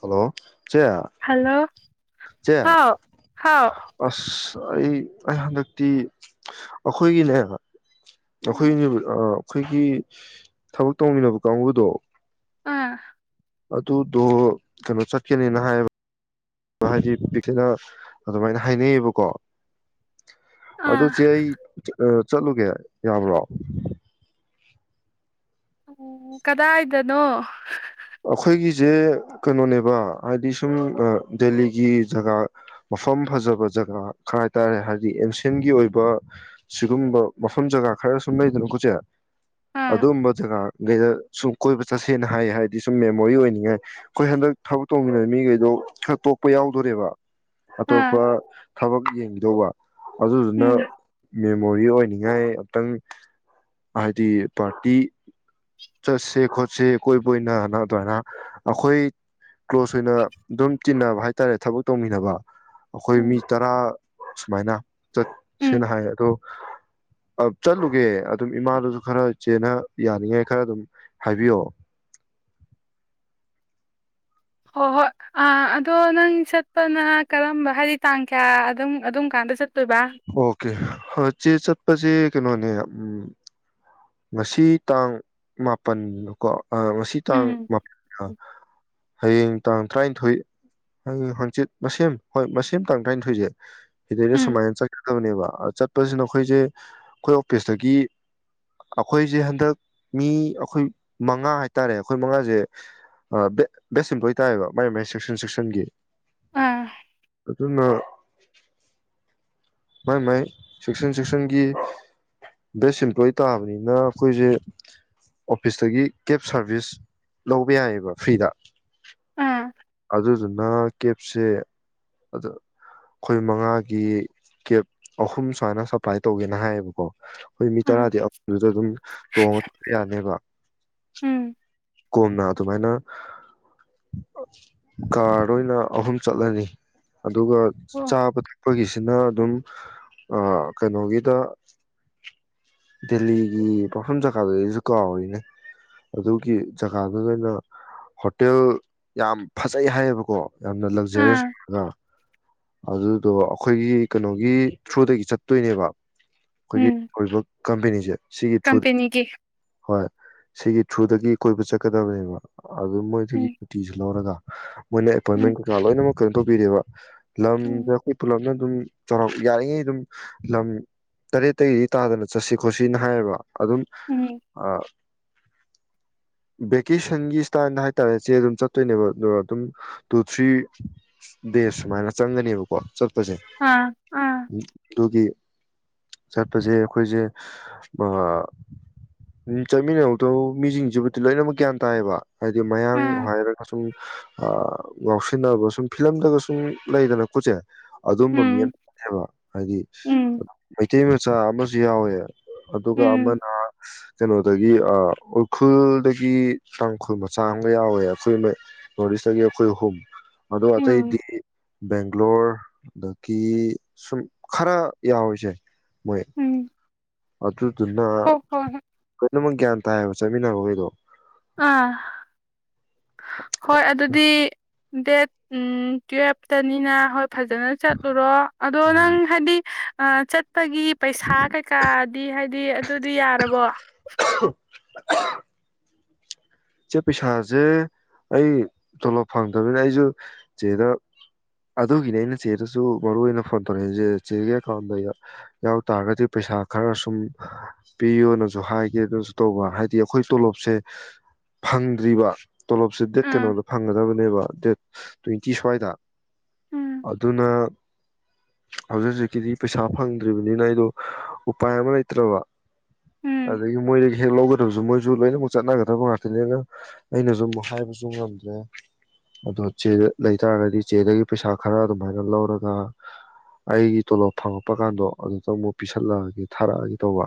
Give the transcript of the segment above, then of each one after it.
hello ꯆꯦ hello ꯆꯦ ꯍꯥꯎ ꯍꯥꯎ ꯑ ꯑꯩ ꯑꯩ ꯍꯟꯗꯛꯇꯤ ꯑꯩꯈꯣꯏꯒꯤꯅꯦꯕ ꯎꯝ ꯑꯩꯈꯣꯏꯅꯦ ꯑ ꯑꯩꯈꯣꯏꯒꯤ ꯊꯕꯛ ꯇꯧꯃꯤꯟꯅꯕ ꯀꯥꯡꯕꯨꯗꯣ ꯑꯥ ꯑꯗꯨꯗꯣ ꯀꯩꯅꯣ ꯆꯠꯀꯅꯦꯅ ꯍꯥꯏꯌꯦꯕ ꯍꯥꯏꯗꯤ ꯄꯤꯛꯇꯅ ꯑꯗꯨꯃꯥꯏꯅ ꯍꯥꯏꯅꯩꯑꯌꯦꯕꯀꯣ ꯑꯗꯨ ꯑꯗꯨ ꯑꯥ ꯆ ꯆꯠꯂꯨꯒꯦ ꯌꯥꯕ꯭ꯔꯣ ꯎꯝ ꯀꯗꯥ ꯍꯥꯏꯗꯅꯣ ꯑꯩꯈꯣꯏꯒꯤꯁꯦ ꯀꯩꯅꯣꯅꯦꯕ ꯍꯥꯏꯗꯤ ꯁꯨꯝ ꯗꯦꯜꯂꯤꯒꯤ ꯖꯒꯥ ꯃꯐꯝ ꯐꯖꯕ ꯖꯒꯥ ꯈꯔ ꯍꯥꯏ ꯇꯔꯦ ꯍꯥꯏꯕꯗꯤ ꯑꯦꯟꯁꯤꯦꯟꯒꯤ ꯑꯣꯏꯕ ꯁꯤꯒꯨꯝꯕ ꯃꯐꯝ ꯖꯒꯥ ꯈꯔ ꯁꯨꯝ ꯂꯩꯗꯅ ꯑꯩꯈꯣꯏꯁꯦ ꯑꯥ ꯑꯗꯨꯝꯕꯖꯒꯥ ꯀꯩꯗ ꯁꯨꯝ ꯀꯣꯏꯕ ꯆꯠꯁꯦꯅ ꯍꯥꯏ ꯍꯥꯏꯗꯤ ꯁꯨꯝ ꯃꯦꯃꯣꯔꯤ ꯑꯣꯏꯅꯤꯡꯉꯥꯏ ꯑꯩꯈꯣꯏ ꯍꯟꯗꯛ ꯊꯕꯛ ꯇꯧꯃꯤꯟꯅꯕ ꯃꯤꯈꯩꯗꯣ ꯈꯔ ꯇꯣꯛꯄ ꯌꯥꯎꯗꯣꯣꯔꯦꯕ ꯑꯥ ꯑꯇꯣꯞꯄ ꯊꯕꯛ ꯌꯦꯡꯈꯤꯗꯧꯕ ꯑꯗꯨꯅ ꯎꯝ ꯃꯦꯃꯣꯔꯤ ꯑꯣꯏꯅꯤꯡꯉꯥꯏ ꯑꯝꯛꯇꯪ ꯍꯥꯏꯗꯤ ꯄꯥꯔꯇꯤ ꯆꯠꯁꯦ ꯈꯣꯠꯁꯦ ꯀꯣꯏꯕ ꯑꯣꯏꯅ ꯑꯗꯨꯃꯥꯏꯅ ꯑꯩꯈꯣꯏ ꯀ꯭ꯂꯣꯁ ꯑꯣꯏꯅ ꯑꯗꯨꯝ ꯆꯤꯟꯅꯕ ꯍꯥꯏꯇꯥꯔꯦ ꯊꯕꯛ ꯇꯧꯃꯤꯟꯅꯕ ꯑꯩꯈꯣꯏ ꯃꯤ ꯎꯝ ꯇꯔꯥ ꯁꯨꯃꯥꯏꯅ ꯎꯝ ꯆꯠꯁꯦꯅ ꯍꯥꯏꯌꯦ ꯑꯗꯣ ꯆꯠꯂꯨꯒꯦ ꯑꯗꯨꯝ ꯏꯃꯥꯗꯨꯁꯨ ꯈꯔ ꯆꯦꯅ ꯌꯥꯅꯤꯡꯉꯥꯏ ꯈꯔ ꯑꯗꯨꯝ ꯍꯥꯏꯕꯤꯌꯑꯣ ꯍꯣꯏ ꯍꯣꯏ ꯑ ꯑꯗꯣ ꯅꯪ ꯆꯠꯄꯅ ꯀꯔꯝꯕ ꯍꯥꯏꯗꯤ ꯇꯥꯡ ꯀꯌꯥ ꯑꯗꯨꯝ ꯑꯗꯨꯝ ꯀꯥꯟꯗ ꯆꯠ ꯑꯣꯀꯦ ꯆꯦ ꯆꯠꯄꯁꯦ ꯀꯩꯅꯣꯅꯦ ꯉꯁꯤ ꯇꯥꯡ ꯃꯥꯄꯟꯗꯀꯣ ꯉꯁꯤ ꯇꯥꯡ ꯎꯝ ꯃꯥ ꯍꯌꯦꯡ ꯇꯥꯡ ꯇꯔꯥꯅꯤꯊꯣꯏ ꯍꯪꯆꯤꯠ ꯃꯦꯝ ꯍꯣꯏ ꯃꯦꯝ ꯇꯥꯡ ꯇꯔꯥꯅꯤꯊꯣꯏꯁꯦ ꯁꯤꯗꯩꯩꯅ ꯎꯝ ꯁꯨꯃꯥꯏꯅ ꯆ ꯆꯕꯅꯦꯕ ꯆꯠꯄꯁꯤꯅ ꯑꯩꯈꯣꯏꯁꯦ ꯑꯩꯈꯣꯏ ꯑꯣꯐꯤꯁꯇꯒꯤ ꯑꯩꯈꯣꯏꯁꯦ ꯍꯟꯗꯛ ꯃꯤ ꯑꯩꯈꯣꯏ ꯃꯉꯥ ꯍꯥꯏꯇꯥꯔꯦ ꯑꯩꯈꯣꯏ ꯃꯉꯥꯁꯦ ꯕꯦꯁ ꯑꯦꯝꯄ꯭ꯂꯣꯏ ꯇꯥꯏꯌꯦꯕ ꯃꯥꯏ ꯃꯥꯏ ꯁꯦꯛꯁꯟ ꯁꯦꯛꯁꯟꯒꯤ ꯑꯥ ꯑꯗꯨꯅ ꯃꯥꯏ ꯃꯥꯏ ꯁꯦꯛꯁꯟ ꯁꯦꯛꯁꯟꯒꯤ ꯕꯦꯁ ꯏꯝꯄ꯭ꯂꯣꯏꯤ ꯇꯥꯕꯅꯤꯅ ꯑꯩꯈꯣꯏꯁꯦ ꯑꯣꯐꯤꯁꯇꯒꯤ ꯀꯦꯕ ꯁꯥꯔꯚꯤꯁ ꯂꯧꯕ ꯌꯥꯏꯌꯦꯕ ꯐ꯭ꯔꯤꯗ ꯑꯥ ꯑꯗꯨꯗꯨꯅ ꯀꯦꯞꯁꯦ ꯑꯩꯈꯣꯏ ꯃꯉꯥꯒꯤ ꯀꯦꯞ ꯑꯍꯨꯝ ꯁꯨꯃꯥꯏꯅ ꯁꯞꯄ꯭ꯂꯥꯏ ꯇꯧꯒꯦꯅ ꯍꯥꯏꯌꯦꯕꯀꯣ ꯑꯩꯈꯣꯏ ꯃꯤ ꯑꯥ ꯇꯔꯥꯗꯤ ꯑꯗꯨꯗ ꯑꯗꯨꯝ ꯇꯣꯡꯉ ꯌꯥꯅꯦꯕ ꯎꯝ ꯀꯣꯝꯅ ꯑꯗꯨꯃꯥꯏꯅ ꯀꯥꯔ ꯑꯣꯏꯅ ꯑꯍꯨꯝ ꯆꯠꯂꯅꯤ ꯑꯗꯨꯒ ꯑꯣ ꯆꯥꯕ ꯊꯛ ꯑꯩꯈꯣꯏꯒꯤꯁꯤꯅ ꯑꯗꯨꯝ ꯀꯩꯅꯣꯒꯤꯗ ꯗꯦꯜꯂꯤꯒꯤ ꯄꯥꯎꯐꯝ ꯖꯒꯥꯗꯨꯗꯒꯤꯁꯨ ꯀꯥꯎꯔꯤꯅꯦ ꯑꯗꯨꯒꯤ ꯖꯒꯥꯗꯨꯗ ꯑꯣꯏꯅ ꯍꯣꯇꯦꯜ ꯌꯥꯝ ꯐꯖꯩ ꯍꯥꯏꯌꯦꯕꯀꯣ ꯌꯥꯝꯅ ꯂꯛꯖꯔꯤꯁ ꯑꯥ ꯑ ꯑꯗꯨ ꯑꯗꯣ ꯑꯩꯈꯣꯏꯒꯤ ꯀꯩꯅꯣꯒꯤ ꯊ꯭ꯔꯨꯗꯒꯤ ꯆꯠꯇꯣꯏꯅꯦꯕ ꯎꯝ ꯑꯩꯈꯣꯏꯒꯤ ꯀꯝꯄꯦꯅꯤꯁꯦ ꯁꯤꯒꯤ ꯊ꯭ꯔꯨꯗ ꯀꯝꯄꯦꯅꯤꯒꯤ ꯍꯣꯏ ꯁꯤꯒꯤ ꯁꯨꯗꯒꯤ ꯀꯣꯏꯕ ꯆꯠꯀꯗꯕꯅꯦꯕ ꯑꯗꯨ ꯃꯣꯏꯗꯨꯒꯤ ꯎꯝ ꯁꯨꯇꯤꯁꯤ ꯂꯧꯔꯒ ꯃ ꯎꯝ ꯕꯤꯗꯤꯑꯣ ꯂꯝꯗ ꯎꯝ ꯑꯩꯣꯏ ꯄꯨꯂꯂꯝꯅ ꯑꯗꯨꯝ ꯆꯥꯎꯔꯥꯛ ꯌꯥꯔꯤꯉꯩ ꯑꯗꯨꯝ ꯂꯝ ꯇꯔꯦꯠꯇꯒꯤꯗꯤ ꯇꯥꯗꯅ ꯆꯠꯁꯤ ꯈꯣꯠꯁꯤꯅ ꯍꯥꯏꯌꯦꯕ ꯑꯗꯨ ꯑꯗꯨꯝ ꯎꯝ ꯑ ꯚꯦꯀꯦꯁꯟꯒꯤ ꯏꯁꯇꯥꯏꯜꯗ ꯍꯥꯏꯇꯥꯔꯦ ꯆꯦ ꯑꯗꯨꯝ ꯆꯠꯇꯣꯏꯅꯦꯕ ꯑ ꯑꯗꯨꯝ ꯇꯨ ꯊ꯭ꯔꯤ ꯗꯦꯖ ꯁꯨꯃꯥꯏꯅ ꯆꯪꯒꯅꯦꯕꯀꯣ ꯁꯦ ꯑꯥ ꯑꯥ ꯇꯒꯤ ꯆꯠꯄꯁꯦ ꯑꯩꯈꯣꯏꯁꯦ ꯆꯠꯃꯤꯟꯅꯧꯗ ꯃꯤꯁꯤꯡꯁꯤꯕꯨꯗꯤ ꯂꯣꯏꯅꯃꯛ ꯒ꯭ꯌꯥꯟ ꯇꯥꯏꯌꯦꯕ ꯍꯥꯏꯗꯤ ꯃꯌꯥꯡ ꯑꯥ ꯍꯥꯏꯔꯒ ꯁꯨꯝ ꯉꯥꯎꯁꯤꯟꯅꯕ ꯁꯨꯝ ꯐꯤꯂꯝꯗꯒ ꯁꯨꯝ ꯂꯩꯗꯅ ꯀꯨꯠꯁꯦ ꯑꯗꯨꯝꯕ ꯃꯤ ꯎꯝ ꯑꯃꯦꯕ ꯍꯥꯏꯗꯤ ꯎꯝ ꯃꯩꯇꯩ ꯃꯆꯥ ꯑꯃꯁ ꯁꯤ ꯌꯥꯎꯋꯦ ꯑꯗꯨꯒ ꯎꯝ ꯑꯃꯅ ꯀꯩꯅꯣꯗꯒꯤ ꯎꯈ꯭ꯔꯨꯜꯗꯒꯤ ꯇꯥꯡꯈꯨꯜ ꯃꯆꯥ ꯑꯃꯒ ꯌꯥꯎꯋꯦ ꯑꯩꯈꯣꯏ ꯅꯗꯤ ꯏꯁꯒꯤꯦ ꯑꯩꯈꯣꯏ ꯍ ꯃꯗꯨꯣ ꯑ ꯎꯝ ꯕꯦꯡꯒ꯭ꯂꯣꯔ ꯑꯗꯒꯤ ꯁꯨꯝ ꯈꯔ ꯌꯥꯎꯔꯤꯁꯦ ꯃꯣꯏ ꯎꯝ ꯑꯗꯨꯗꯨꯅ ꯍꯣ ꯍꯣꯏ ꯍꯣꯏ ꯄꯨꯝꯅꯃꯛ ꯒ꯭ꯌꯥꯟ ꯇꯥꯏꯌꯦꯕ ꯆꯠꯃꯤꯟꯅꯕꯈꯩꯗꯣ ꯑꯥ ꯍꯣꯏ ꯑꯗꯨꯗꯤ ꯗꯦꯠ ꯎ ꯇꯋ ꯐꯖꯅ ꯆꯠꯂꯨꯔꯣ ꯑꯗꯣ ꯎꯝ ꯅꯪ ꯍꯥꯏꯗꯤ ꯑ ꯆꯠ ꯆꯠꯄꯒꯤ ꯄꯩꯁꯥ ꯀꯩꯀꯥꯗꯤ ꯍꯥꯏꯗꯤ ꯑꯗꯨꯗꯤ ꯌꯥꯔꯕꯣ ꯏꯆꯦ ꯄꯩꯁꯥꯁꯦ ꯑꯩ ꯇꯣꯂꯣꯞ ꯐꯪꯗꯕꯅꯤꯅ ꯑꯩꯁꯨ ꯆꯦꯗ ꯑꯗꯨꯒꯤꯅꯤ ꯑꯩꯅ ꯆꯦꯗꯁꯨ ꯃꯔꯨꯑꯣ ꯑꯣꯏꯅ ꯐꯣꯟ ꯇꯧꯔꯛꯏꯁꯦ ꯆꯦꯒꯤ ꯑꯦꯀꯥꯎꯟꯗ ꯌꯥꯎ ꯇꯥꯔꯒꯗꯤ ꯄꯩꯁꯥ ꯈꯔ ꯁꯨꯝ ꯄꯤꯌꯣꯅꯁꯨ ꯍꯥꯏꯒꯦ ꯑꯗꯨꯅꯁꯨ ꯇꯧꯕ ꯍꯥꯏꯗꯤ ꯑꯩꯈꯣꯏ ꯇꯣꯂꯣꯞꯁꯦ ꯐꯪꯗ꯭ꯔꯤꯕ ꯇꯣꯂꯣꯞꯁꯦ ꯗꯦꯠ ꯎꯝ ꯀꯩꯅꯣꯗ ꯐꯪꯒꯗꯕꯅꯦꯕ ꯗꯦꯠ ꯇ꯭ꯋꯦꯟꯇꯤ ꯁ꯭ꯋꯥꯏꯗ ꯎꯝ ꯑꯗꯨꯅ ꯍꯧꯖꯤꯛ ꯍꯧꯖꯤꯛꯀꯤꯗꯤ ꯄꯩꯁꯥ ꯐꯪꯗ꯭ꯔꯤꯕꯅꯤꯅ ꯑꯩꯗꯣ ꯎꯄꯥꯏ ꯑꯃ ꯂꯩꯇ꯭ꯔꯕ ꯎꯝ ꯑꯗꯨꯗ ꯃꯣꯏ ꯍꯦꯛ ꯂꯧꯒꯗ꯭ꯔꯕꯁꯨ ꯃꯣꯏꯁꯨ ꯂꯣꯏꯅꯃꯛ ꯆꯠꯅꯒꯗꯕ ꯉꯇ ꯑꯗꯨꯅꯦꯅ ꯑꯩꯅꯁꯨ ꯑꯃꯨ ꯍꯥꯏꯕꯁꯨ ꯉꯝꯗ꯭ꯔꯦ ꯑꯗꯣ ꯆꯦꯗ ꯂꯩꯇꯥꯥꯔꯒꯗꯤ ꯆꯦꯗꯒꯤ ꯄꯩꯁꯥ ꯈꯔ ꯑꯗꯨꯃꯥꯏꯅ ꯂꯧꯔꯒ ꯑꯩꯒꯤ ꯇꯣꯂꯣꯞ ꯐꯪꯉꯛꯄ ꯀꯥꯟꯗꯣ ꯑꯗꯨꯇꯪ ꯑꯃꯨꯛ ꯄꯤꯁꯜꯂꯛꯑꯒꯦ ꯊꯥꯔꯛꯑꯒꯦ ꯇꯧꯕ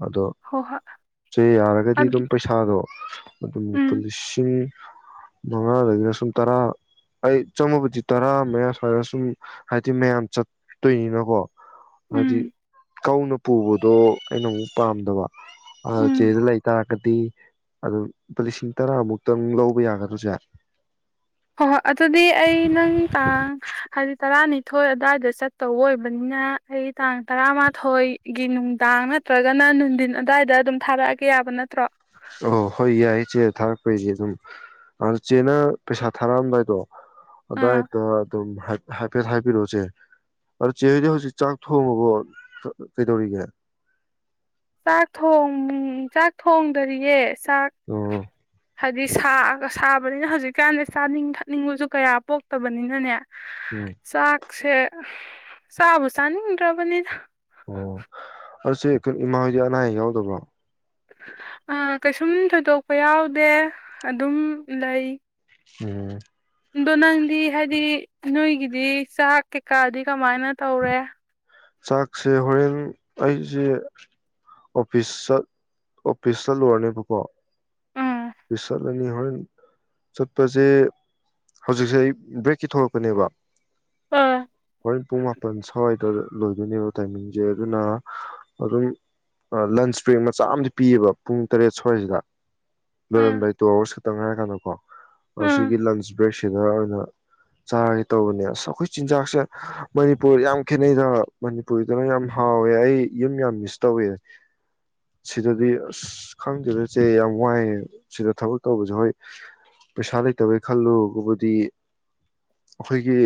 ꯑꯗꯣ ꯍꯣ ꯍꯣꯏ ꯆꯦ ꯌꯥꯔꯒꯗꯤ ꯑꯗꯨ ꯑꯗꯨꯝ ꯄꯩꯁꯥꯗꯣ ꯎꯝ ꯑꯗꯨꯄꯁꯤꯡ ꯃꯉꯥꯗꯒꯤꯅ ꯁꯨꯝ ꯇꯔꯥ ꯑꯩ ꯆꯪꯃꯕꯗꯤ ꯇꯔꯥ ꯃꯌꯥ ꯁ꯭ꯋꯥꯏꯗ ꯁꯨꯝ ꯍꯥꯏꯗꯤ ꯃꯌꯥꯝ ꯆꯠꯇꯣꯏꯅꯤꯅꯀꯣ ꯎꯝ ꯍꯥꯏꯗꯤ ꯀꯧꯅ ꯄꯨꯕ ꯑꯗꯣ ꯑꯩꯅ ꯑꯃꯨꯛ ꯄꯥꯝꯗꯕ ꯑ ꯎꯝ ꯆꯦꯗ ꯂꯩ ꯇꯔꯥꯒꯗꯤ ꯑꯗꯨ ꯂꯨꯄꯥ ꯂꯤꯁꯤꯡ ꯇꯔꯥꯃꯨꯛꯇꯪ ꯂꯧꯕ ꯌꯥꯒꯗ꯭ꯔꯥ ꯆꯦ ꯍꯣꯏ ꯍꯣꯏ ꯑꯗꯨꯗꯤ ꯑꯩ ꯅꯪ ꯇꯥꯡ ꯍꯥꯏꯗꯤ ꯇꯔꯥꯅꯤꯊꯣꯏ ꯑꯗꯨꯋꯥꯏꯗ ꯆꯠꯇꯧ ꯑꯣꯏꯕꯅꯤꯅ ꯑꯩ ꯇꯥꯡ ꯇꯔꯥꯃꯥꯊꯣꯏꯒꯤ ꯅꯨꯡꯗꯥꯡ ꯅꯠꯇ꯭ꯔꯒꯅ ꯅꯨꯡꯊꯤꯟ ꯑꯗꯨꯋꯥꯏꯗ ꯑꯗꯨꯝ ꯊꯥꯔꯛꯑꯒꯦ ꯌꯥꯕ ꯅꯠꯇ꯭ꯔꯣ ꯑꯣ ꯍꯣꯏ ꯌꯥꯏꯌꯦ ꯆꯦ ꯊꯥꯔꯛꯄꯩꯗꯤ ꯑꯗꯨꯝ ꯑꯗꯣ ꯆꯦꯅ ꯄꯩꯁꯥ ꯊꯥꯔꯛꯑꯝꯗꯥꯏꯗꯣ ꯑꯥ ꯑꯗꯥꯏꯗ ꯑꯗꯨꯝ ꯍꯥꯏꯐꯦꯠ ꯍꯥꯏꯕꯤꯔꯛꯑꯣꯁꯦ ꯑꯗꯣ ꯆꯦꯗꯤ ꯍꯧꯖꯤꯛ ꯆꯥꯛ ꯊꯣꯡꯉꯕꯣ ꯀꯩꯗꯧꯔꯤꯒꯦ ꯆꯥꯛ ꯊꯣꯡ ꯆꯥꯛ ꯊꯣꯡꯗꯔꯤꯌꯦ ꯆꯥꯛ ꯑꯣ ꯍꯥꯏꯗꯤꯒ ꯁꯥꯕꯅꯤꯅ ꯍꯧꯖꯤꯛꯀꯥꯟꯗꯤ ꯆꯥꯅꯤꯡ ꯊꯛꯅꯤꯡꯕꯁꯨ ꯀꯌꯥ ꯄꯣꯛꯇꯕꯅꯤꯅꯅꯦ ꯎꯝ ꯆꯥꯛꯁꯦ ꯁꯥꯕꯨꯁꯅꯤꯗ꯭ꯔꯕꯅꯤꯗ ꯑꯣ ꯑꯗꯨ ꯑꯩꯈꯣꯏ ꯏꯃꯥꯍꯣꯏꯗꯤ ꯑꯅꯥ ꯑꯌꯦꯛ ꯌꯥꯎꯗꯕ꯭ꯔꯣ ꯀꯩꯁꯨꯝ ꯊꯣꯏꯗꯣꯛꯄ ꯌꯥꯎꯗꯦ ꯑꯗꯨꯝ ꯂꯩ ꯎꯝ ꯑꯗꯣ ꯅꯪꯗꯤ ꯍꯥꯏꯗꯤ ꯅꯣꯏꯒꯤꯗꯤ ꯆꯥꯛ ꯀꯩꯀꯥꯗꯤ ꯀꯃꯥꯏꯅ ꯇꯧꯔꯦ ꯆꯥꯛꯁꯦ ꯍꯣꯔꯦꯟ ꯑꯩꯁꯦ ꯑꯣꯐꯤꯁ ꯑꯣꯐꯤꯁ ꯆꯠꯂꯨꯔꯅꯦꯕꯀꯣ ꯎꯝ ꯑꯣꯐꯤꯁ ꯆꯠꯂꯅꯤ ꯍꯣꯔꯦꯟ ꯆꯠꯄꯁꯦ ꯍꯧꯖꯤꯛꯁꯦ ꯑꯩ ꯕ꯭ꯔꯦꯛꯀꯤ ꯊꯣꯛꯂꯛꯀꯅꯦꯕ ꯎꯝ ꯍꯣꯏ ꯄꯨꯡ ꯃꯥꯄꯜ ꯁꯣꯏ ꯇ ꯂꯣꯏꯗꯣꯏꯅꯦꯕ ꯇꯥꯏꯃꯤꯡꯁꯦ ꯑꯗꯨꯅ ꯑꯗꯨꯝ ꯂꯟꯆ ꯕ꯭ꯔꯦꯛ ꯃꯆꯥ ꯑꯃꯗꯤ ꯄꯤꯌꯦꯕ ꯄꯨꯡ ꯇꯔꯦꯠ ꯁ꯭ꯋꯥꯏꯁꯤꯗ ꯂꯣꯏꯔꯝ ꯎꯝ ꯇ ꯑꯋꯥꯔ ꯇꯧꯅꯔꯀꯗꯀꯣ ꯑꯣ ꯁꯤꯒꯤ ꯂꯟꯁ ꯕ꯭ꯔꯦꯁ ꯁꯤꯗꯔ ꯑꯣꯏꯅ ꯆꯥꯔꯒꯦ ꯇꯧꯕꯅꯦ ꯑꯁ ꯑꯩꯈꯣꯏ ꯆꯤꯟꯖꯥꯛꯁꯦ ꯃꯅꯤꯄꯨꯔ ꯌꯥꯝ ꯈꯦꯠꯅꯩꯗ ꯃꯅꯤꯄꯨꯔꯗꯅ ꯌꯥꯝ ꯍꯥꯎꯋꯦ ꯑꯩ ꯌꯨꯝ ꯌꯥꯝ ꯃꯤꯁ ꯇꯧꯋꯦ ꯁꯤꯗꯗꯤ ꯑꯁ ꯈꯪꯗꯗꯁꯦ ꯌꯥꯝ ꯋꯥꯏꯑꯦ ꯁꯤꯗ ꯊꯕꯛ ꯇꯧꯕꯁꯦ ꯍꯣꯏ ꯄꯩꯁꯥ ꯂꯩꯇꯕꯩ ꯈꯜꯂꯨꯕꯨꯗꯤ ꯑꯩꯈꯣꯏꯒꯤ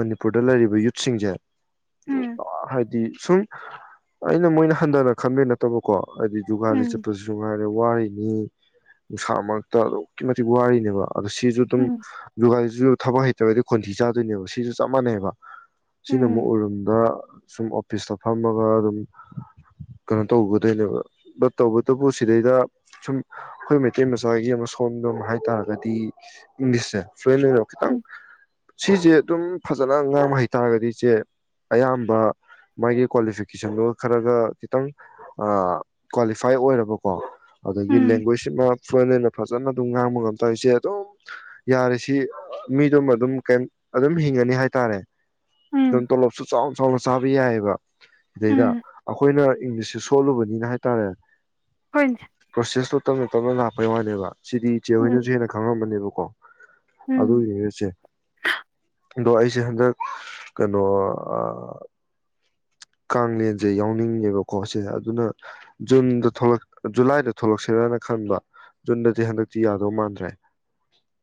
ꯃꯅꯤꯄꯨꯔꯗ ꯂꯩꯔꯤꯕ ꯌꯨꯠꯁꯤꯡꯁꯦ ꯎꯝ ꯍꯥꯏꯗꯤ ꯁꯨꯝ ꯑꯩꯅ ꯃꯣꯏꯅ ꯍꯟꯊꯅ ꯈꯟꯕ ꯅꯠꯇꯕꯀꯣ ꯍꯥꯏꯗꯤ ꯖꯨꯒꯥꯗ ꯎꯝ ꯆꯠꯄꯗꯁꯨꯉꯥꯏꯔꯦ ꯋꯥ ꯃꯤ ꯅꯨꯡꯁꯥ ꯃꯔꯛꯇ ꯑꯗꯨꯛꯀꯤ ꯃꯇꯤꯛ ꯋꯥꯔꯤꯅꯦꯕ ꯑꯗꯣ ꯁꯤꯁꯨ ꯑꯗꯨꯝ ꯎꯝ ꯖꯨꯒꯥꯔꯤꯁꯨ ꯊꯕꯛ ꯍꯩꯇ꯭ꯔꯒꯗꯤ ꯀꯣꯟꯊꯤ ꯆꯥꯗꯣꯏꯅꯦꯕ ꯁꯤꯁꯨ ꯆꯞ ꯃꯥꯟꯅꯩꯕ ꯁꯤꯅ ꯑꯃꯨꯛ ꯎꯝ ꯑꯣꯏꯔꯝ ꯗ ꯁꯨꯝ ꯑꯣꯐꯤꯁꯇ ꯐꯝꯃꯒ ꯑꯗꯨꯝ ꯀꯩꯅꯣ ꯇꯧꯒꯗꯣꯏꯅꯦꯕ ꯕꯠ ꯇꯧꯕꯇꯕꯨ ꯁꯤꯗꯩꯗ ꯁꯨꯝ ꯑꯩꯈꯣꯏ ꯃꯩꯇꯩ ꯃꯆꯥꯒꯤ ꯑꯃ ꯁꯣꯟꯗꯝ ꯍꯥꯏꯇꯥꯥꯔꯒꯗꯤ ꯏꯪꯂꯤꯁꯁꯦ ꯐ꯭ꯂꯨꯦꯟ ꯑꯣꯏꯔꯣ ꯈꯤꯇꯪ ꯎꯝ ꯁꯤꯁꯦ ꯑꯗꯨꯝ ꯐꯖꯅ ꯉꯥꯡꯕ ꯍꯩꯇꯥꯔꯒꯗꯤ ꯏꯆꯦ ꯑꯌꯥꯝꯕ ꯃꯥꯒꯤ ꯀ꯭ꯋꯥꯂꯤꯐꯤꯀꯦꯁꯟꯗꯨꯒ ꯈꯔꯒ ꯈꯤꯇꯪ ꯀ꯭ꯋꯥꯂꯤꯐꯥꯏ ꯑꯣꯏꯔꯕꯀꯣ ꯑꯗꯒꯤ ꯎꯝ ꯂꯦꯡꯒ꯭ꯋꯦꯖꯁꯤ ꯐꯣꯔꯦꯟꯦꯟꯅ ꯐꯖꯅ ꯑꯗꯨꯝ ꯉꯥꯡꯕ ꯉꯝ ꯇꯧꯔꯤꯁꯦ ꯑꯗꯨꯝ ꯌꯥꯔꯤꯁꯤ ꯃꯤꯗꯨꯃ ꯑꯗꯨꯝ ꯑꯗꯨꯝ ꯍꯤꯡꯉꯅꯤ ꯍꯥꯏꯇꯥꯔꯦ ꯎꯝ ꯎꯝ ꯎ ꯁꯨ ꯆꯥꯎꯅ ꯆꯥꯎꯅ ꯆꯥꯕ ꯌꯥꯏꯑꯕ ꯁꯤꯗꯩꯗ ꯎꯝ ꯑꯩꯈꯣꯏꯅ ꯏꯪꯂꯤꯁꯁꯦ ꯁꯣꯜꯂꯨꯕꯅꯤꯅ ꯍꯥꯏꯇꯥꯔꯦ ꯍꯣꯏꯅꯦ ꯄ꯭ꯔꯣꯁꯦꯁ ꯃꯦꯇꯅꯅꯥ ꯄꯔ ꯂꯩꯕ ꯁꯤꯗꯤ ꯏꯆꯦ ꯍꯣꯏꯅꯁꯨ ꯎꯝ ꯍꯦꯟꯅ ꯈꯪꯉꯝꯃꯅꯦꯕꯀꯣ ꯎꯝ ꯑꯗꯨ ꯌꯦꯡꯁꯦ ꯑꯗꯣ ꯑꯩꯁꯦ ꯍꯟꯗꯛꯣ ꯅ ꯀꯥꯡꯂꯦꯟꯁꯦ ꯌꯥꯎꯅꯤꯡꯉꯦꯕꯀꯣ ꯁꯤꯁꯦ ꯑꯗꯨꯅ ꯖꯨꯟꯗꯛ ꯖꯨꯂꯥꯏꯗ ꯊꯣꯛꯂꯛꯁꯔꯅ ꯈꯟꯕ ꯖꯨꯟꯗꯗꯤ ꯍꯟꯗꯛꯇꯤ ꯌꯥꯗꯧ ꯃꯥꯟꯗ꯭ꯔꯦ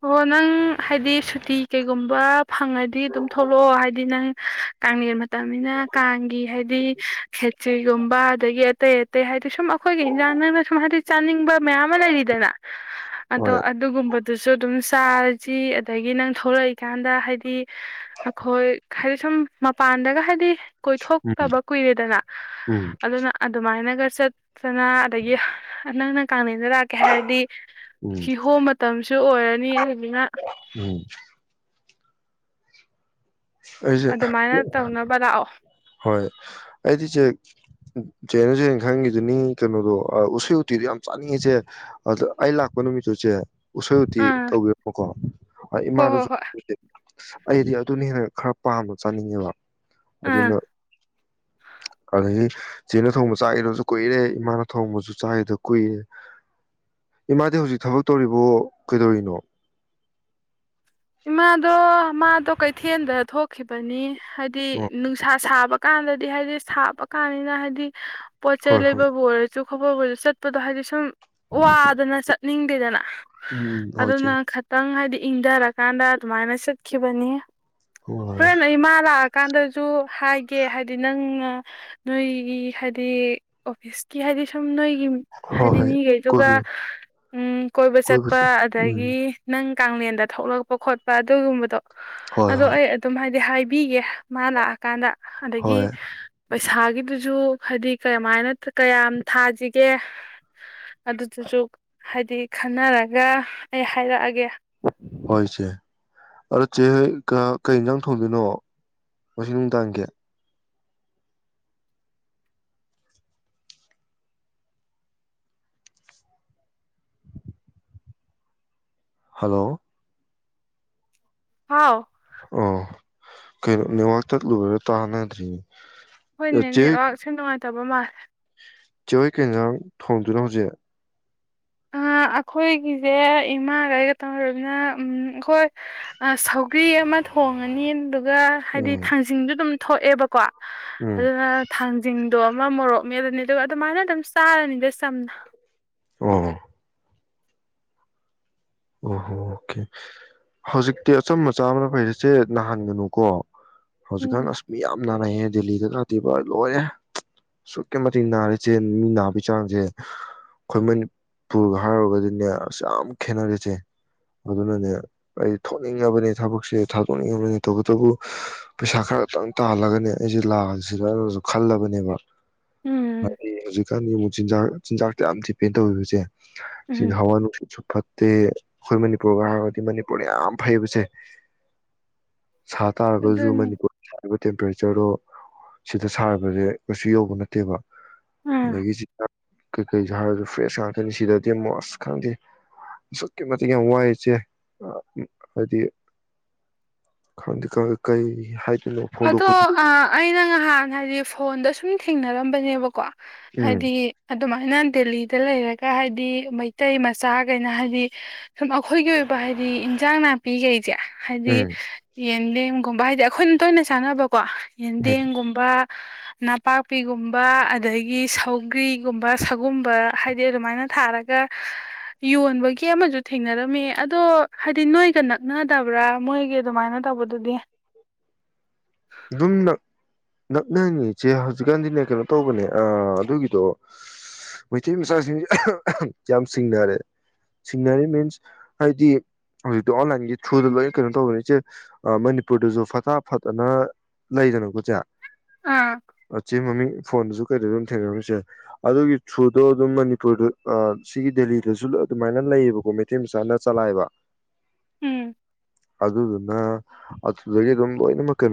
ꯑꯣ ꯅꯪ ꯍꯥꯏꯗꯤ ꯁꯨꯇꯤ ꯀꯩꯒꯨꯝꯕ ꯐꯪꯉꯗꯤ ꯑꯗꯨꯝ ꯊꯣꯛꯂꯛꯑꯣ ꯍꯥꯏꯗꯤ ꯅꯪ ꯀꯥꯡꯂꯦꯟ ꯃꯇꯝꯅꯤꯅ ꯀꯥꯡꯒꯤ ꯗꯤ ꯈꯦ ꯀꯛꯆꯤꯒꯨꯝꯕ ꯑꯗꯒꯤ ꯑꯇꯩ ꯑꯇꯩ ꯍꯥꯏꯗꯤ ꯁꯨꯝ ꯑꯩꯈꯣꯏꯒꯤ ꯏꯟꯖꯥꯡ ꯅꯪꯅ ꯁꯨꯝ ꯍꯥꯏꯗꯤ ꯆꯥꯅꯤꯡꯕ ꯃꯌꯥꯝ ꯑꯃ ꯂꯩꯔꯤꯗꯅ ꯑꯗꯣ ꯍꯣꯏ ꯑꯗꯨꯒꯨꯝꯕꯗꯨ ꯁꯔꯖꯤ ꯑꯗꯒꯤ ꯅꯪ ꯊꯣꯛꯂꯛꯏꯀꯥꯟꯗ ꯍꯥꯏꯗꯤ ꯑꯩꯈꯣꯏ ꯍꯥꯏꯗꯤ ꯁꯨꯝ ꯃꯄꯥꯟꯗꯒ ꯍꯥꯏꯗꯤ ꯎꯝ ꯀꯣꯏꯊꯣꯛꯇꯕ ꯀꯨꯏꯔꯦꯗꯅ ꯎꯝ ꯑꯗꯨꯅ ꯑꯗꯨꯃꯥꯏꯅꯒ ꯆꯠꯇꯅ ꯑꯗꯒꯤ ꯑꯅꯛꯅꯛ ꯀꯥꯟꯅꯗ ꯂꯥꯛꯀꯦ ꯍꯥꯏꯔꯗꯤ ꯎꯝ ꯁꯤꯤꯍꯣꯝ ꯃꯇꯝ ꯁꯨ ꯑꯣꯏꯔꯅꯤ ꯑꯗꯨꯅꯤꯅ ꯎꯝ ꯑꯩꯁꯦ ꯑꯗꯨꯃꯥꯏꯅ ꯇꯧꯅꯕ ꯂꯥꯛꯑꯣ ꯍꯣꯏ ꯑꯩꯗꯤꯆꯦ ꯆꯅꯁꯅ ꯈꯪꯈꯤꯗꯨꯅꯤ ꯀꯩꯅꯣꯗꯣ ꯎꯁꯤꯦꯛ ꯎꯇꯤꯗꯣ ꯌꯥꯝ ꯆꯥꯅꯤꯡꯉꯤꯁꯦ ꯑꯗ ꯑꯩ ꯂꯥꯛꯄ ꯅꯨꯃꯤꯠꯇꯨꯁꯦ ꯎꯁꯣꯏ ꯎꯇꯤ ꯑꯥ ꯇꯧꯕꯤꯔꯝꯃꯣꯀꯣ ꯍꯣꯏ ꯍꯣꯏ ꯏꯃꯥꯗꯁꯨ ꯍꯣꯏ ꯑꯩꯗꯤ ꯑꯗꯨ ꯅꯅꯦ ꯈꯔ ꯄꯥꯝꯅ ꯆꯥꯅꯤꯡꯉꯦꯕ ꯑꯥ ꯑꯗꯨꯅ ꯀ ꯏꯦꯅ ꯊꯣꯡꯕ ꯆꯥꯒꯦꯗꯁꯨ ꯀꯨꯏꯔꯦ ꯏꯃꯥꯅ ꯊꯣꯡꯕꯁꯨ ꯆꯥꯏꯒꯦꯗ ꯀꯨꯏꯔꯦ ꯏꯃꯥꯗꯤ ꯍꯧꯖꯤꯛ ꯊꯕꯛ ꯇꯧꯔꯤꯕꯣ ꯀꯩꯗꯧꯔꯤꯅꯣ ꯏꯃꯥꯗꯣ ꯃꯥꯗꯣ ꯀꯩꯊꯦꯜꯗ ꯊꯣꯛꯈꯤꯕꯅꯤ ꯍꯥꯏꯗꯤ ꯑꯣ ꯅꯨꯡꯁꯥ ꯁꯥꯕ ꯀꯥꯟꯗꯗꯤ ꯍꯥꯏꯗꯤ ꯁꯥꯕ ꯀꯥꯟꯅꯤꯅ ꯍꯥꯏꯗꯤ ꯄꯆꯥꯏ ꯍꯣꯏ ꯍꯣꯏ ꯂꯩꯕ ꯕꯔꯁꯨ ꯈꯣꯕꯁꯨ ꯆꯠꯄꯗꯣ ꯍꯥꯏꯗꯤ ꯁꯨꯝ ꯋꯥ ꯑꯗꯨꯅ ꯆ ꯅꯤꯡꯕꯤꯗꯅ ꯎꯝ ꯍꯣꯏ ꯆꯦ ꯑꯗꯨꯅ ꯈꯤꯇꯪ ꯍꯥꯏꯗꯤ ꯏꯟꯗ ꯔꯛ ꯀꯥꯟꯗꯥ ꯑꯗꯨ ꯃꯥꯏꯅꯁꯠꯈꯤꯕꯅꯤ ꯍꯣꯏ ꯍꯣꯏ ꯐꯣꯏ ꯂꯩ ꯏ ꯃꯥꯥ ꯂꯥꯛ ꯀꯥꯟꯗꯁꯨ ꯍꯥꯏꯒꯦ ꯍꯥꯏꯗꯤ ꯅꯪ ꯅꯣꯏꯒꯤ ꯍꯥꯏꯗꯤ ꯑꯣꯐꯤꯁꯀꯤ ꯍꯥꯏꯗꯤ ꯁꯨꯝ ꯅꯣꯏ ꯍꯣꯏ ꯍꯥꯏꯗꯤ ꯍꯣꯏ ꯃꯤꯈꯩꯗꯨꯒ ꯀꯣꯏꯕ ꯎ ꯀꯣꯏꯕ ꯆꯠꯄ ꯆꯠ ꯎꯝ ꯑꯗꯒꯤ ꯅꯪ ꯀꯦꯟꯗ ꯊꯣꯛꯂꯛꯄ ꯈꯣꯠꯄ ꯑꯗꯨꯒꯨꯝꯕꯗꯣ ꯍꯣꯏ ꯑꯗꯣ ꯍꯣꯏ ꯑꯩ ꯑꯗꯨꯝ ꯍꯥꯏꯗꯤ ꯍꯥꯏꯕꯤꯒꯦ ꯃꯥ ꯂꯥꯛꯑꯀꯥꯟꯗ ꯑꯗꯒꯤ ꯍꯣꯏ ꯄꯩꯁꯥꯒꯤꯗꯨꯁꯨ ꯍꯥꯏꯗꯤ ꯀꯃꯥꯏꯅ ꯀꯌꯥꯝ ꯊꯥꯁꯤꯒꯦ ꯑꯗꯨꯗꯨꯁꯨ ꯍꯥꯏꯗꯤ ꯈꯟꯅꯔꯒ ꯑꯩ ꯍꯥꯏꯔꯛꯑꯒꯦ ꯍꯣꯏ ꯏꯆꯦ ꯑꯗꯣ ꯆꯦ ꯍꯣꯏ ꯀꯩ ꯌꯦꯟꯖꯥꯡ ꯊꯣꯡꯗꯣꯏꯅꯣ ꯉꯁꯤ ꯅꯨꯡꯗꯥꯡꯒꯤ ꯍꯜꯂꯣ ꯍꯥꯎ ꯑꯣ ꯀꯩꯅꯣ ꯅꯦꯠꯋꯥꯛ ꯆꯠꯂꯨꯔꯒ ꯇꯥꯟꯅꯗ꯭ꯔꯤꯅꯦ ꯍꯣꯏꯅꯦꯅꯦ ꯁ ꯅ ꯇꯕ ꯃꯥ ꯆꯔꯣꯏ ꯀꯖ ꯊꯣꯡꯗꯨꯅ ꯍꯧꯖꯤꯛ ꯑꯩꯈꯣꯏꯒꯤꯁꯦ ꯏꯃꯥꯒꯩꯒ ꯇꯧꯔꯕꯅ ꯑꯩꯈꯣꯏ ꯁꯧꯒ꯭ꯔꯤ ꯑꯃ ꯊꯣꯡꯉꯅꯤ ꯑꯗꯨꯒ ꯍꯥꯏꯗꯤ ꯎꯝ ꯊꯥꯡꯖꯤꯡꯗꯨ ꯑꯗꯨꯝ ꯊꯣꯛꯑꯦꯕꯀꯣ ꯎꯝ ꯑꯗꯨꯅ ꯊꯥꯡꯖꯤꯡ ꯑꯗꯣ ꯑꯃ ꯃꯣꯔꯣꯛꯃꯦ ꯑꯗꯨꯅꯦ ꯑꯗꯨꯒ ꯑꯗꯨꯃꯥꯏꯅ ꯑꯗꯨꯝ ꯆꯥꯔꯅꯤꯗ ꯁꯝꯅ ꯑ ꯑꯣꯍꯣ ꯑꯣꯀꯦ ꯍꯧꯖꯤꯛꯇꯤ ꯑꯆꯝꯕꯆꯥ ꯑꯃꯅ ꯐꯩꯔꯁꯦ ꯅꯥꯍꯟꯒꯅꯨꯀꯣ ꯍꯧꯖꯤꯛꯀꯥꯟ ꯎꯝ ꯑꯁ ꯃꯤ ꯌꯥꯝ ꯅꯥꯔꯛꯑꯦ ꯗꯦꯜꯂꯤꯗ ꯀꯥꯇꯦꯕ ꯂꯣꯏꯔꯦ ꯑꯁꯨꯛꯀꯤ ꯃꯇꯤꯛ ꯅꯥꯔꯦ ꯆꯦꯟ ꯃꯤ ꯅꯥꯕꯒꯤ ꯆꯥꯡꯁꯦ ꯈꯨꯣꯏꯃꯟ ꯄꯨꯔꯒ ꯍꯥꯏꯔꯨꯔꯒꯗꯤꯅꯦ ꯑꯁ ꯌꯥꯝ ꯈꯦꯠꯅꯔꯦ ꯁꯦ ꯑꯗꯨꯅꯅꯦ ꯑꯩ ꯊꯣꯛꯅꯤꯡꯉꯕꯅꯦ ꯊꯕꯛꯁꯦ ꯊꯥꯗꯣꯛꯅꯤꯡꯉꯕꯅꯤ ꯇꯧꯕꯇꯕꯨ ꯄꯩꯁꯥ ꯈꯔꯇꯪ ꯇꯥꯜꯂꯒꯅꯦ ꯑꯩꯁꯦ ꯂꯥꯛꯑꯁꯤꯗꯅꯁꯨ ꯈꯜꯂꯕꯅꯦꯕ ꯍ ꯎꯝ ꯀꯥꯟ ꯌꯦꯡꯨꯛ ꯆꯤꯟꯖꯥꯛ ꯆꯤꯟꯖꯥꯛꯇꯦ ꯌꯥꯝ ꯗꯤꯄꯦꯟ ꯇꯧꯋꯤꯕꯁꯦ ꯁꯤ ꯎꯝ ꯍꯋꯥ ꯁ ꯐ ꯑꯩꯈꯣꯏ ꯃꯅꯤꯄꯨꯔꯒ ꯍꯥꯏꯔꯒꯗꯤ ꯃꯅꯤꯄꯨꯔ ꯌꯥꯝ ꯐꯩꯕꯁꯦ ꯁꯥ ꯇꯥꯔꯒꯁꯨ ꯑꯗꯨꯅꯤ ꯃꯅꯤꯄꯨꯔ ꯇꯦꯝꯄꯔꯦꯆꯔꯗꯣ ꯁꯤꯗ ꯁꯥꯕꯁꯦ ꯀꯩꯁꯨ ꯌꯧꯕ ꯅꯠꯇꯦꯕ ꯎꯝ ꯑꯗꯒꯤ ꯆꯥꯛ ꯀꯩꯀꯩꯁꯨ ꯍꯥꯏꯔꯁꯨ ꯐ꯭ꯔꯦꯁ ꯉꯥꯛꯇꯅꯤ ꯁꯤꯗꯗꯤ ꯃꯣꯁ ꯈꯪꯗꯦ ꯑꯁꯨꯛꯀꯤ ꯃꯇꯤꯛ ꯌꯥꯝ ꯋꯥꯏ ꯏꯆꯦ ꯍꯥꯏꯗꯤ ꯈꯪꯗꯦ ꯈ ꯀꯩ ꯍꯥꯏꯗꯣꯏꯅꯣ ꯑꯗꯣ ꯐꯣꯡꯗꯣꯛꯄꯁꯨ ꯑꯩꯅ ꯉꯍꯥꯟ ꯍꯥꯏꯗꯤ ꯐꯣꯟꯗ ꯁꯨꯝ ꯊꯦꯡꯅꯔꯝꯕꯅꯦꯕꯀꯣ ꯎꯝ ꯑꯗꯤ ꯑꯗꯨꯃꯥꯏꯅ ꯗꯦꯜꯂꯤꯗ ꯂꯩꯔꯒ ꯍꯥꯏꯗꯤ ꯃꯩꯇꯩ ꯃꯆꯥꯈꯩꯅ ꯍꯥꯏꯗꯤ ꯁꯨꯝ ꯑꯩꯈꯣꯏꯒꯤ ꯑꯣꯏꯕ ꯍꯥꯏꯗꯤ ꯏꯟꯖꯥꯡ ꯅꯥꯄꯤꯈꯩꯁꯦ ꯍꯥꯏꯗꯤ ꯎꯝ ꯌꯦꯟ ꯂꯦꯝꯒꯨꯝꯕ ꯍꯥꯏꯗꯤ ꯑꯩꯈꯣꯏꯅ ꯇꯅ ꯁꯥꯟꯅꯕ ꯀꯣ ꯎꯝ ꯌꯦꯟꯗꯦꯝꯒꯨꯝꯕ ꯅꯄꯥꯛꯄꯤꯒꯨꯝꯕ ꯑꯗꯒꯤ ꯁꯧꯒ꯭ꯔꯤꯒꯨꯝꯕ ꯁꯒꯨꯝꯕ ꯍꯥꯏꯗꯤ ꯑꯗꯨꯃꯥꯏꯅ ꯊꯥꯔꯒ ꯌꯣꯟꯕꯒꯤ ꯑꯃꯁꯨ ꯊꯦꯡꯅꯔꯝꯃꯤ ꯑꯗꯣ ꯍꯥꯏꯗꯤ ꯅꯣꯏꯒ ꯅꯛꯅꯗꯕ꯭ꯔꯥ ꯃꯣꯏꯒꯤ ꯑꯗꯨꯃꯥꯏꯅ ꯇꯧꯕꯗꯨꯗꯤ ꯑꯗꯨꯝ ꯅꯛꯅꯉꯤ ꯏꯆꯦ ꯍꯧꯖꯤꯛꯀꯥꯟꯗꯤꯅꯦ ꯀꯩꯅꯣ ꯇꯧꯕꯅꯦ ꯑꯗꯨꯒꯤꯗꯣ ꯃꯩꯇꯩ ꯃꯆꯥꯁꯤꯡꯁꯦ ꯌꯥꯝ ꯁꯤꯡꯅꯔꯦ ꯁꯤꯡꯅꯔꯦ ꯃꯤꯟꯁ ꯍꯥꯏꯗꯤ ꯍꯧꯖꯤꯛꯇꯤ ꯑꯣꯟꯂꯥꯏꯟꯒꯤ ꯊ꯭ꯔꯨꯗ ꯂꯣꯏꯅ ꯀꯩꯅꯣ ꯇꯧꯕꯅꯤ ꯏꯆꯦ ꯃꯅꯤꯄꯨꯔꯗꯁꯨ ꯐꯠꯇ ꯐꯠꯇꯅ ꯂꯩꯖꯅꯕꯨ ꯆꯌꯥ ꯑꯥ ꯑꯆꯤ ꯃꯃꯤ ꯐꯣꯟꯗꯁꯨ ꯀꯩꯗ ꯑꯗꯨꯝ ꯊꯦꯡꯅꯔꯝꯃꯤꯁꯦ ꯑꯗꯨꯒꯤ ꯊ꯭ꯔꯨꯗꯣ ꯑꯗꯨꯝ ꯃꯅꯤꯄꯨꯔꯗ ꯁꯤꯒꯤ ꯗꯦꯂꯤꯗꯁꯨ ꯑꯗꯨꯃꯥꯏꯅ ꯂꯩꯌꯦꯕꯀꯣ ꯃꯩꯇꯩ ꯃꯆꯥꯅ ꯆꯂꯥꯏꯕ ꯎꯝ ꯑꯗꯨꯗꯨꯅ ꯑꯗꯨꯗꯒꯤ ꯑꯗꯨꯝ ꯂꯣꯏꯅꯃꯛ